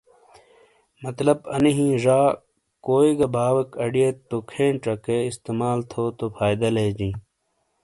مطلب اَنی ہِین ڙ کوئی گہ باؤیک اڑئیت تو کھین چکے استعمال تھو تو فائدہ لیجِیں۔